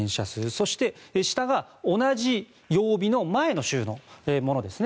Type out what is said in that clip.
そして、下が同じ曜日の前の週のものですね。